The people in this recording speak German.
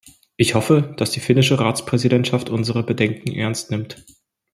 Ich hoffe, dass die finnische Ratspräsidentschaft unsere Bedenken ernst nimmt.